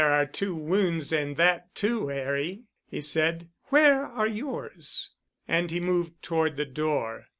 "There are two wounds in that too, Harry," he said. "Where are yours?" And he moved toward the door.